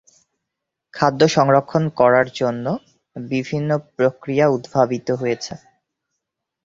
খাদ্য সংরক্ষণ করার জন্য বিভিন্ন প্রক্রিয়া উদ্ভাবিত হয়েছে।